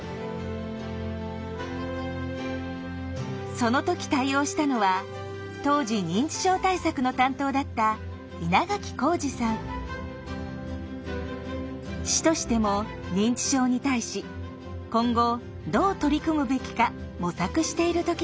その時対応したのは当時認知症対策の担当だった市としても認知症に対し今後どう取り組むべきか模索している時でした。